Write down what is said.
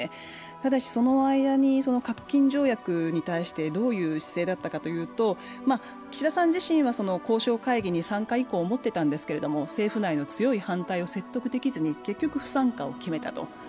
ただしその間に核禁条約に対してどういう姿勢だったかというと岸田さん自身は交渉会議に参加意向を持っていたんですけれども政府内の強い反対を説得できずに結局不参加を決めたと。